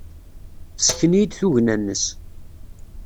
Ssken-iyi-d tugna-nnes.